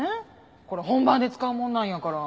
これ本番で使うものなんやから。